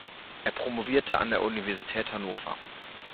Er promovierte an der Universität Hannover.